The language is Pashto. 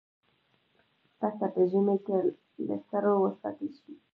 پسه په ژمي کې له سړو وساتل شي.